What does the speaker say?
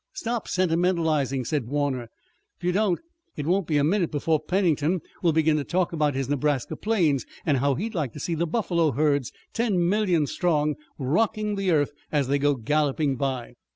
"Stop sentimentalizing," said Warner. "If you don't it won't be a minute before Pennington will begin to talk about his Nebraska plains, and how he'd like to see the buffalo herds ten million strong, rocking the earth as they go galloping by."